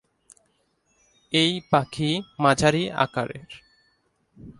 এই পাখি মাঝারি আকারের।